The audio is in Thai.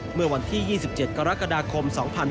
เมื่อวันที่๒๗กรกฎาคม๒๕๖๒